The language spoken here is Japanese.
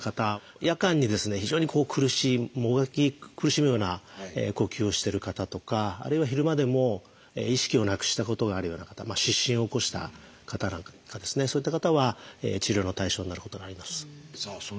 夜間にですね非常に苦しいもがき苦しむような呼吸をしてる方とかあるいは昼間でも意識をなくしたことがあるような方失神を起こした方なんかですねそういった方は治療の対象になることがあります。